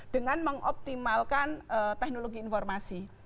dengan mengoptimalkan teknologi informasi